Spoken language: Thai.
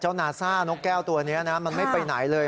นาซ่านกแก้วตัวนี้นะมันไม่ไปไหนเลย